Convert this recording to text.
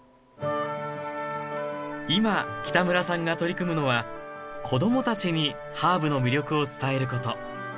今北村さんが取り組むのは子供たちにハーブの魅力を伝えること。